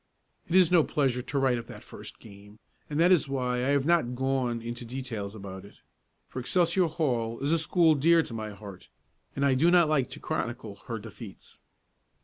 It is no pleasure to write of that first game, and that is why I have not gone into details about it, for Excelsior Hall is a school dear to my heart, and I do not like to chronicle her defeats.